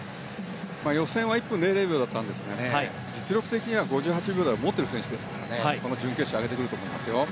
予選は１分００秒だったんですが実力的には５８秒台を持っている選手ですから準決勝、上げてくると思います。